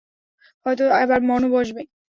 হয়তো এবার মনও বসবে।